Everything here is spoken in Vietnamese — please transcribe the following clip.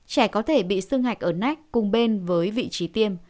trẻ có thể bị xương hạch ở nách cùng bên với vị trí tiêm